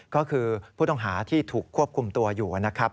ก็คือผู้ต้องหาที่ถูกควบคุมตัวอยู่นะครับ